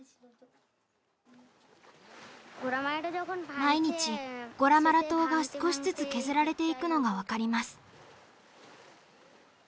毎日ゴラマラ島が少しずつ削られていくのが分かります。